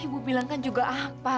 ibu bilang kan juga apa